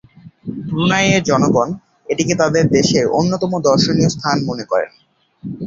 ব্রুনাইয়ের জনগণ এটিকে তাদের দেশের অন্যতম দর্শনীয় স্থান মনে করেন।